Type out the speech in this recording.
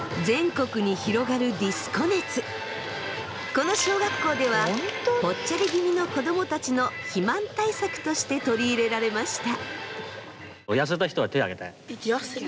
この小学校ではぽっちゃり気味の子供たちの肥満対策として取り入れられました。